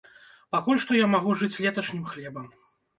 Пакуль што я магу жыць леташнім хлебам.